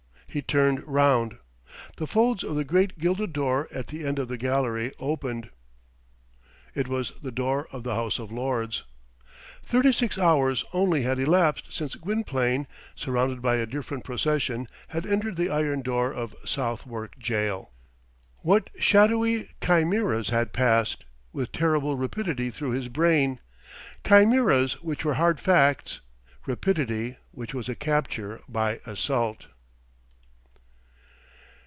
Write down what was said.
He turned round. The folds of the great gilded door at the end of the gallery opened. It was the door of the House of Lords. Thirty six hours only had elapsed since Gwynplaine, surrounded by a different procession, had entered the iron door of Southwark Jail. What shadowy chimeras had passed, with terrible rapidity through his brain chimeras which were hard facts; rapidity, which was a capture by assault!